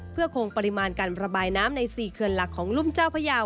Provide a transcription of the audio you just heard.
เพื่อคงปริมาณการระบายน้ำใน๔เขื่อนหลักของรุ่มเจ้าพยาว